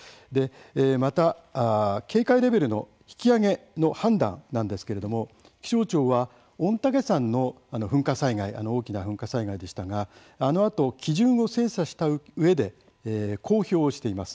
また、警戒レベルの引き上げの判断なんですけれども気象庁は御嶽山の噴火災害あの大きな噴火災害でしたがあのあと、基準を精査したうえで公表をしています。